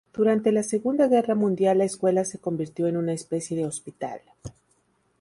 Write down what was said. Durante la Segunda Guerra Mundial la escuela se convirtió en una especie de hospital.